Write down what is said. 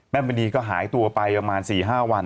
มณีก็หายตัวไปประมาณ๔๕วัน